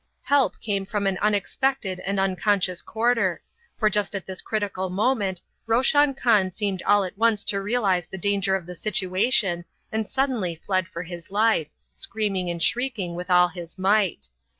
Help came from an unexpected and unconscious quarter, for just at this critical moment Roshan Khan seemed all at once to realise the danger of the situation, and suddenly fled for his life, screaming and shrieking with all his might.